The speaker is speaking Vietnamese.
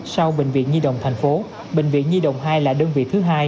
sau bệnh viện nhi động tp bệnh viện nhi động hai là đơn vị thứ hai